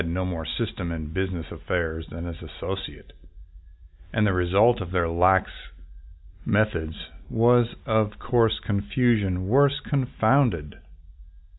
97 LINCOLN THE LAWYER no more system in business affairs than his asso ciate, and the result of their lax methods was, of course, confusion worse confounded.